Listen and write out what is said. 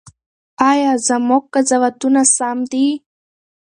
ایا زموږ قضاوتونه سم دي؟